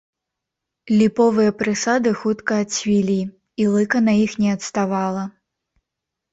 Ліповыя прысады хутка адцвілі, і лыка на іх не адставала.